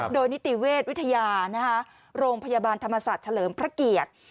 โดยนิติเวชวิทยาโรงพยาบาลธรรมศาสตร์เฉลิมพระเกียรติ